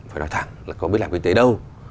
phải nói thẳng là có biết làm kinh tế đâu